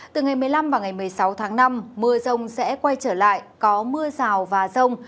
từ ngày một mươi năm và ngày một mươi sáu tháng năm mưa rông sẽ quay trở lại có mưa rào và rông